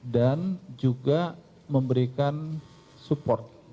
dan juga memberikan support